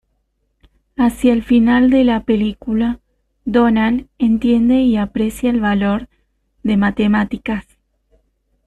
Hacia el final de la película, Donald entiende y aprecia el valor de matemáticas.